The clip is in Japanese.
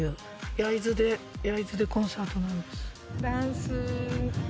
焼津で焼津でコンサートなんです。